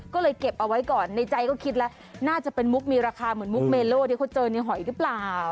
ก็เลยเก็บเอาไว้ก่อนในใจก็คิดแล้วน่าจะเป็นมุกมีราคาเหมือนมุกเมโลที่เขาเจอในหอยหรือเปล่า